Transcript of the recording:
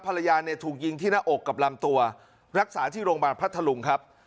ภรรยาเนี่ยถูกยิงที่หน้าอกกับลำตัวรักษาที่โรงพยาบาลพัทธลุงครับ